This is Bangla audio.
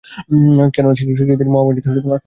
কেননা শীঘ্রই তিনি মহামারিতে আক্রান্ত হলেন।